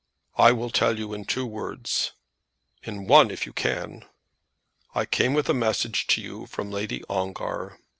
"I will tell you in two words." "In one if you can." "I came with a message to you from Lady Ongar."